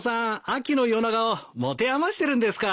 秋の夜長を持て余してるんですか。